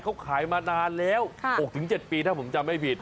เขาขายมานานแล้ว๖๗ปีถ้าผมจำไม่ผิด